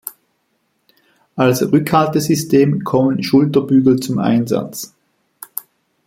Als Rückhaltesystem kommen Schulterbügel zum Einsatz.